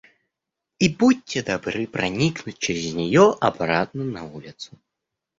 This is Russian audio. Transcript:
И будьте добры проникнуть через нее обратно на улицу.